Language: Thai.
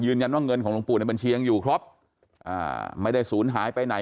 เงินของหลวงปู่ในบัญชียังอยู่ครบอ่าไม่ได้ศูนย์หายไปไหน